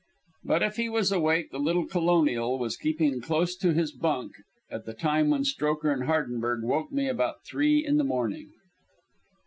But if he was awake the little colonial was keeping close to his bunk at the time when Strokher and Hardenberg woke me at about three in the morning.